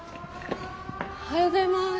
おはようございます。